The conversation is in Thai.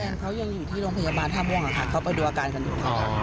แฟนเขายังอยู่ที่โรงพยาบาลท่าม่วงเขาไปดูอาการกันดู